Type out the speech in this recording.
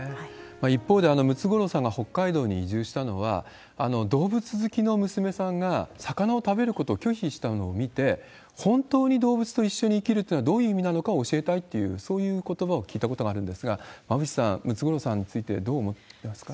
一方で、ムツゴロウさんが北海道に移住したのは、動物好きの娘さんが魚を食べることを拒否したのを見て、本当に動物と一緒に生きるっていうのはどういう意味なのかっていうのを教えたいっていう、そういうことばを聞いたことがあるんですが、馬渕さん、ムツゴロウさんについて、どう思いますか？